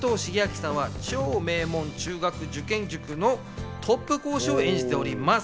加藤シゲアキさんは超名門中学受験塾のトップ講師を演じております。